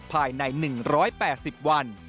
ภายใน๑๘๐วัน